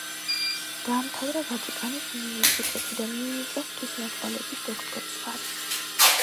დაამთავრა ვატიკანის უნივერსიტეტი და მიენიჭა ღვთისმეტყველების დოქტორის ხარისხი.